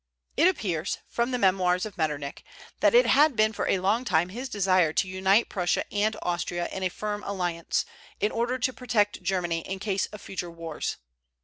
It appears, from the memoirs of Metternich, that it had been for a long time his desire to unite Prussia and Austria in a firm alliance, in order to protect Germany in case of future wars.